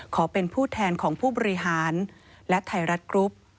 ขอเป็นผู้แทนของผู้บริหารและไทยรัฐกรุ๊ป